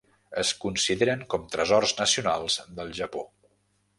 Es consideren com Tresors Nacionals del Japó.